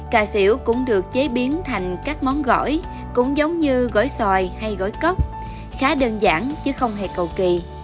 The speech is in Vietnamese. cà xỉu cũng được chế biến thành các món gỏi cũng giống như gói xoài hay gói cốc khá đơn giản chứ không hề cầu kỳ